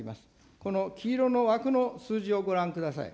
この黄色の枠の数字をご覧ください。